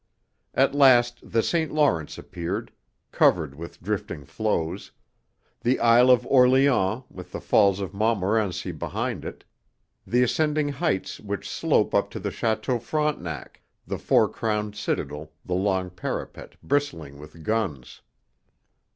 At last the St. Lawrence appeared, covered with drifting floes; the Isle of Orleans, with the Falls of Montmorency behind it; the ascending heights which slope up to the Château Frontenac, the fort crowned citadel, the long parapet, bristling with guns.